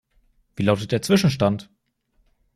Wie lautet der Zwischenstand?